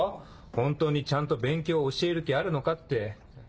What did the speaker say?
本当にちゃんと勉強教える気あるのかって。